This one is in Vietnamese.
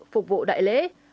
phục vụ đại lễ